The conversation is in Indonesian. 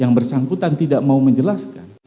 yang bersangkutan tidak mau menjelaskan